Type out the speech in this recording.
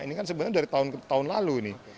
ini kan sebenarnya dari tahun ke tahun lalu ini